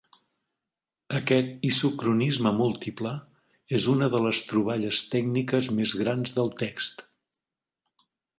Aquest isocronisme múltiple és una de les troballes tècniques més grans del text.